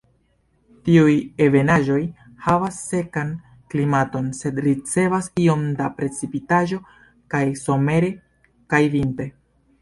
Tiuj ebenaĵoj havas sekan klimaton sed ricevas iom da precipitaĵo kaj somere kaj vintre.